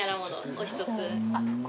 お一つ。